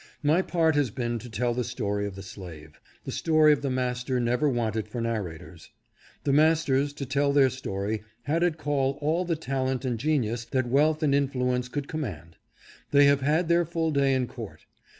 My part has been to tell the story of the slave. The story of the master never wanted for narrators. The masters, to tell their story, had at call all the talent and genius that wealth and influence could command. They have had their full day in court.